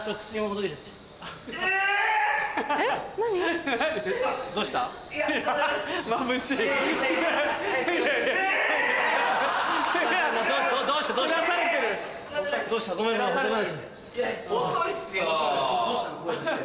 どうしたの？